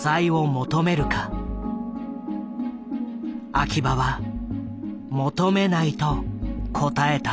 秋葉は「求めない」と答えた。